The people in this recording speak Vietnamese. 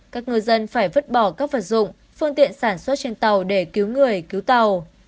các ngư dân phải vứt bỏ các vật dụng phương tiện sản xuất trên tàu để cứu người cứu tàu